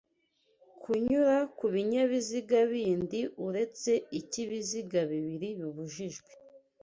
Kunyura ku binyabiziga bindi uretse icy'ibiziga bibiri bibujijwe